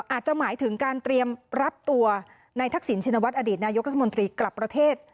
อาจจะหมายถึงการเตรียมรับตัวในทักษิณชินวัฒนอดีตนายกรัฐมนตรีกลับประเทศ